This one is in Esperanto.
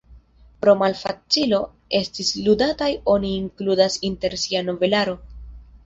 Pro malfacilo esti ludataj oni inkludas inter sia novelaro.